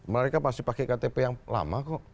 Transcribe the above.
mereka pasti pakai ktp yang lama kok